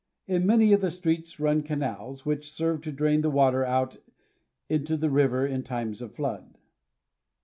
In many of the streets run canals, which serve to drain the water out into the river in times of flood.